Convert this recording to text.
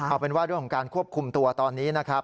เอาเป็นว่าเรื่องของการควบคุมตัวตอนนี้นะครับ